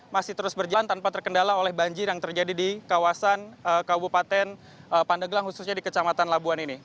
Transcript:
masih terus berjalan tanpa terkendala oleh banjir yang terjadi di kawasan kabupaten pandeglang khususnya di kecamatan labuan ini